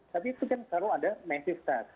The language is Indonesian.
tapi itu kan selalu ada massive tax